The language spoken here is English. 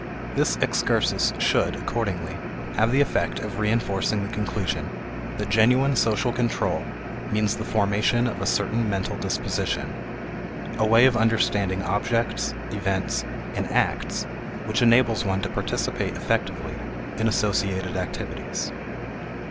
This excursus should, accordingly, have the effect of reinforcing the conclusion that genuine social control means the formation of a certain mental disposition; a way of understanding objects, events, and acts which enables one to participate effectively in associated activities.